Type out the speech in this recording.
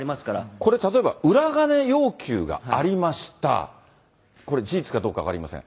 これ例えば、裏金要求がありました、これ、事実かどうか分かりません。